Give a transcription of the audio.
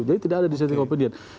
jadi tidak ada dissenting opinion